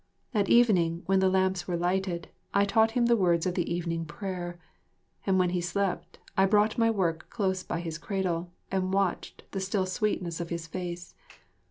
At evening when the lamps were lighted I taught him the words of the evening prayer, and when he slept I brought my work close by his cradle and watched the still sweetness of his face.